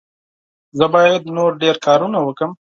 زه باید نور ډېر کارونه وکړم.